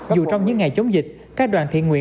dù trong những ngày chống dịch các đoàn thị nguyện